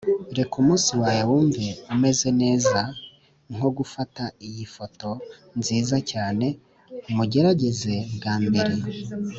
reka umunsi wawe wumve umeze neza nko gufata iyi foto nziza cyane mugerageze bwa mbere.